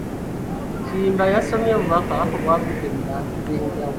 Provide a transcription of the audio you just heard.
Kiyimba yasomye obubaka obwavudde mu bantu ab’enjawulo.